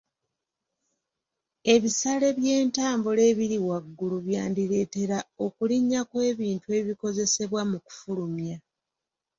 Ebisale by'entambula ebiri waggulu byandireetera okulinnya kw'ebintu ebikozesebwa mu kufulumya.